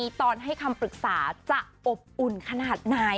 นี่ฉันอยากจะส่งเรื่องที่มันเกิดขึ้นในสังคมทุกวันนี้